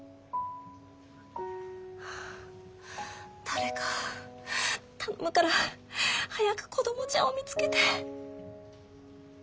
誰か頼むから早く子どもちゃんを見つけて。